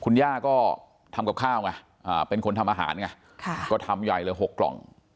คุณย่าก็ทำกับข้าวไงเป็นคนทำอาหารไงก็ทำใหญ่เลย๖กล่อง